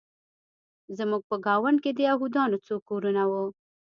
زموږ په ګاونډ کې د یهودانو څو کورونه وو